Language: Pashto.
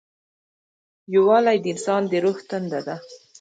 یووالی د انسان د روح تنده ده.